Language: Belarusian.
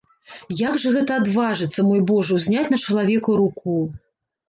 Як жа гэта адважыцца, мой божа, узняць на чалавека руку!